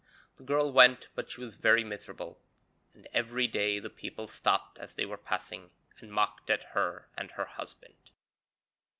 The girl went, but she was very miserable, and every day the people stopped as they were passing, and mocked at her and her husband.